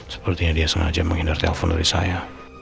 sepertinya dia sengaja menghindar telepon dari saya